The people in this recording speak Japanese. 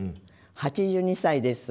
８２歳です。